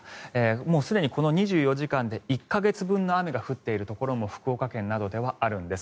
もうすでにこの２４時間で１か月分の雨が降っているところも福岡県などではあるんです。